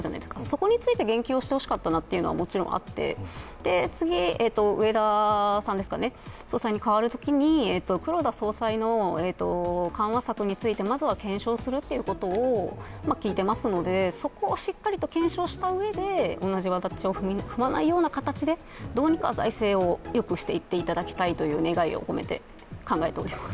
そこについて言及してほしかったなというのはもちろんあって、次、植田さんが総裁に代わるときに黒田総裁の緩和策について、まずは検証すると聞いていますので、そこをしっかりと検証したうえで同じわだちを踏まないような形でどうにか財政をよくしていっていただきたいとい願いを込めています。